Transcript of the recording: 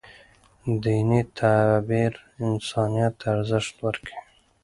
دیني تعبیر انسانیت ته ارزښت ورکوي.